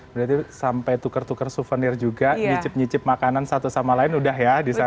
berarti sampai tukar tukar souvenir juga nyicip nyicip makanan satu sama lain udah ya di sana